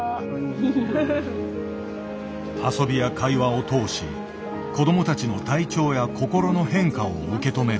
遊びや会話を通し子どもたちの体調や心の変化を受け止める。